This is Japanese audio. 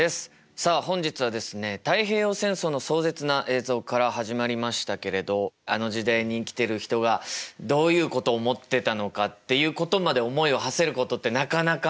さあ本日はですね太平洋戦争の壮絶な映像から始まりましたけれどあの時代に生きてる人がどういうことを思ってたのかっていうことまで思いをはせることってなかなかね。